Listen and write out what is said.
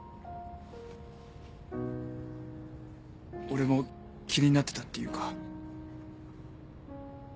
俺も気になってたっていうか。